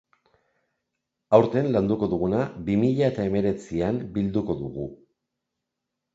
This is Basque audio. Aurten landuko duguna bi mila eta hemeretzian bilduko dugu.